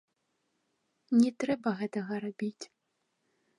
Не трэба гэтага рабіць!